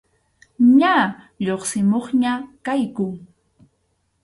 Ña lluqsimuqña kayku.